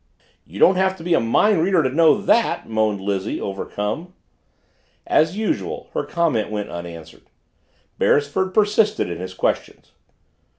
"You don't have to be a mind reader to know that!" moaned Lizzie, overcome. As usual, her comment went unanswered. Beresford persisted in his questions.